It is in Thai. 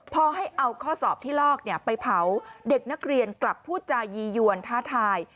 พอให้เอาข้อสอบที่ลอกไปเผาเด็กนักเรียนกลับพูดจายียวนท้าทาย